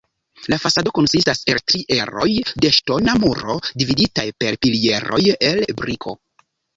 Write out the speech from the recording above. La fasado konsistas el tri eroj de ŝtona muro dividitaj per pilieroj el briko.